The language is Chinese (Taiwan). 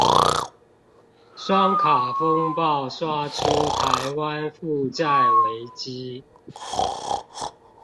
雙卡風暴刷出台灣負債危機